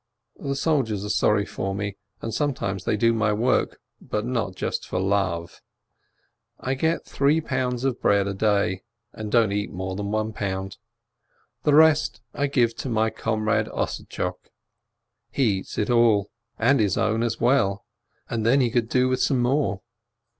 The soldiers are sorry for me, and sometimes they do my work, but not just for love. I get three pounds of bread a day, and don't eat more than one pound. The rest I give to my comrade Ossadtchok. He eats it all, and his own as well, and then he could do with some more.